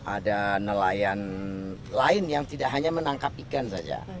ada nelayan lain yang tidak hanya menangkap ikan saja